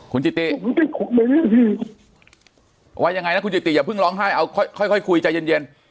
คุณจิติว่ายังไงนะคุณจิติอย่าเพิ่งร้องไห้เอาค่อยคุยใจเย็น